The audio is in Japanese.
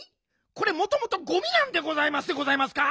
これもともとゴミなんでございますでございますか？